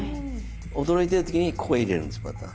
驚いてる時にここに入れるんですまた。